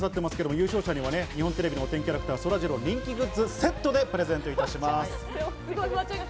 優勝者には日本テレビの天気キャラクター、そらジローの人気グッズをセットでプレゼントいたします。